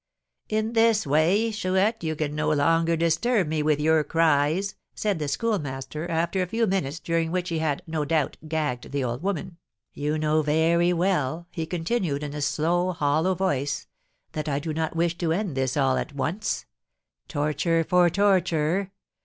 "In this way, Chouette, you can no longer disturb me with your cries," said the Schoolmaster, after a few minutes, during which he had, no doubt, gagged the old woman. "You know very well," he continued, in a slow, hollow voice, "that I do not wish to end this all at once; torture for torture!